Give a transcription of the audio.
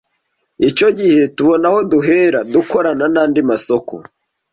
icyo gihe tubona aho duhera dukorana n’andi masoko